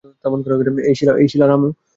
এই শীলা, রামু।